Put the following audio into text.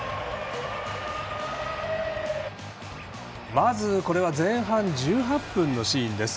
まず、前半１８分のシーンです。